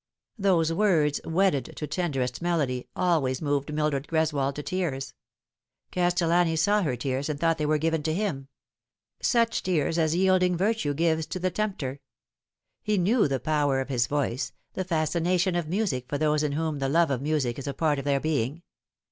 Those words wedded to tenderest melody always moved Mildred Greswold to tears. Castellani saw her tears and thought they were given to him ; such tears as yielding virtue gives to the tempter. He knew the power of his voice, the fascination of music for those in whom the love of music is a part of their being.